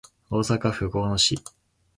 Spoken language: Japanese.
大阪府交野市